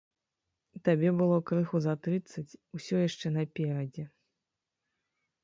Табе было крыху за трыццаць, усё яшчэ наперадзе!